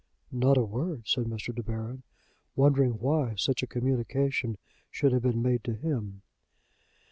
"Not a word," said Mr. De Baron, wondering why such a communication should have been made to him.